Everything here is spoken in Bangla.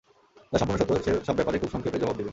যা সম্পূর্ণ সত্য, সে সব ব্যাপারে খুব সংক্ষেপে জবাব দেবেন।